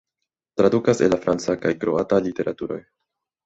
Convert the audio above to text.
Tradukas el la franca kaj kroata literaturoj.